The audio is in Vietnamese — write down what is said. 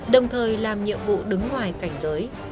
đồng thời làm nhiệm vụ đứng ngoài cảnh giới